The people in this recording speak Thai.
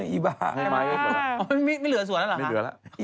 อีบ้าใช่ไหมไม่เหลือสวนแล้วเหรอไม่เหลือแล้ว